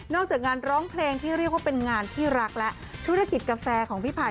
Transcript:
จากงานร้องเพลงที่เรียกว่าเป็นงานที่รักและธุรกิจกาแฟของพี่ไผ่